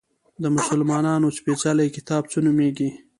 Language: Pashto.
د مسلمانانو سپیڅلی کتاب څه نومیږي؟